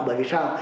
bởi vì sao